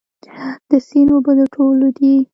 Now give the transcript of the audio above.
د سیند اوبه د ټولو دي؟